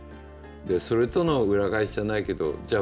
それとの裏返しじゃないけどじゃあ